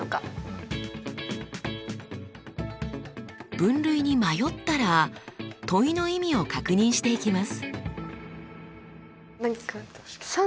分類に迷ったら問いの意味を確認していきます。